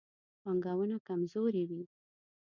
پانګونه کمزورې وي.